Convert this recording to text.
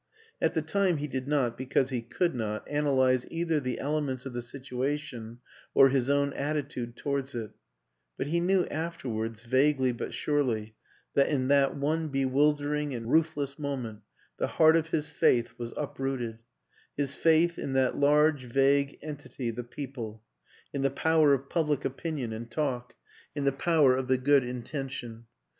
At the time he did not because he could not analyze either the elements of the situation or his own attitude towards it; but he knew afterwards, vaguely but surely, that in that one bewildering and ruthless moment the heart of his faith was uprooted his faith in that large vague entity the People, in the power of Public Opinion and Talk, in the power of the Good Intention.